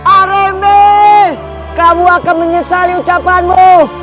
areme kamu akan menyesali ucapanmu